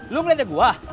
lu melihatnya gua